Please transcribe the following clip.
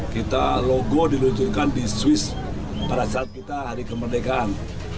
kita logo diluncurkan di swiss pada saat kita hari kemerdekaan